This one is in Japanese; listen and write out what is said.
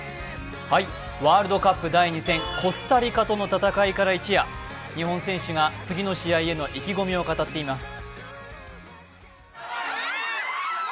ワールドカップ第２戦コスタリカとの戦いから一夜、日本選手が次の試合への意気込みを語っています。